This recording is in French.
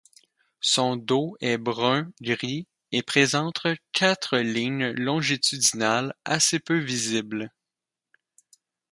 Son dos est brun gris et présente quatre lignes longitudinales assez peu visibles.